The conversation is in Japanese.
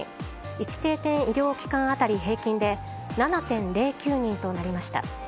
１定点医療機関当たり平均で７．０９人となりました。